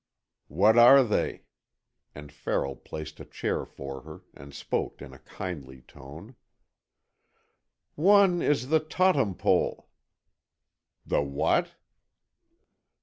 "What are they?" and Farrell placed a chair for her and spoke in a kindly tone. "One is the Tottum Pole." "The what?"